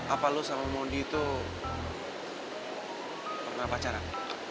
apa lu sama mondi itu pernah pacaran